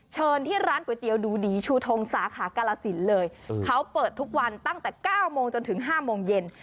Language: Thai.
เชิญที่ร้านก๋วยเตี๋ยวดูดีชูทงสาขากาลสินเลยเขาเปิดทุกวันตั้งแต่๙โมงจนถึง๕โมงเย็น